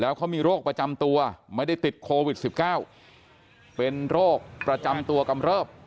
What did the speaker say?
เขามีโรคประจำตัวไม่ได้ติดโควิด๑๙เป็นโรคประจำตัวกำเริบ